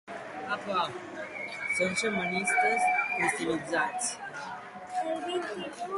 Són xamanistes cristianitzats.